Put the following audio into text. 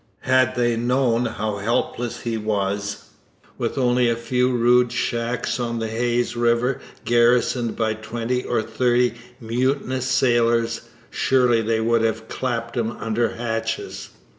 Had they known how helpless he was, with only a few rude 'shacks' on the Hayes river garrisoned by twenty or thirty mutinous sailors, surely they would have clapped him under hatches.